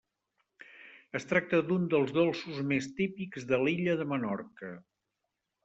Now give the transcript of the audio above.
Es tracta d'un dels dolços més típics de l'illa de Menorca.